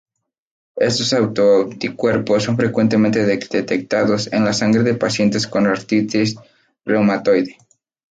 Estos autoanticuerpos son frecuentemente detectados en la sangre de pacientes con artritis reumatoide.